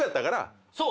そう。